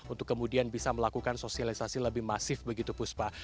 untuk kemudian bisa melakukan sosialisasi lebih masif begitu puspa